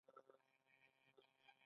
د بنزین کیفیت باید ښه شي.